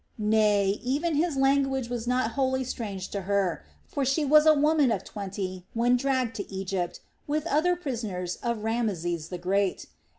Nay, even his language was not wholly strange to her; for she had been a woman of twenty when dragged to Egypt with other prisoners of Rameses the Great.